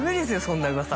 そんな噂